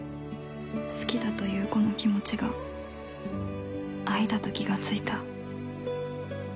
好きだというこの気持ちが愛だと気がついた